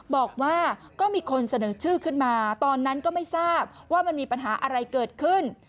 บอกว่าก็มีคนเสนอชื่อขึ้นมาตอนนั้นก็ไม่ทราบว่ามันมีปัญหาอะไรเกิดขึ้น